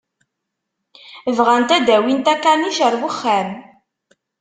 Bɣant ad d-awint akanic ar wexxam.